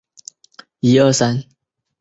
欧瓦黄藓为油藓科黄藓属下的一个种。